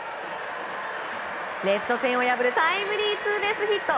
レフト線を破るタイムリーツーベースヒット。